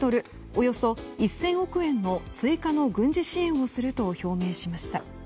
およそ１０００億円の追加の軍事支援をすると表明しました。